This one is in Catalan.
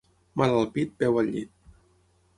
Mal al pit, peu al llit.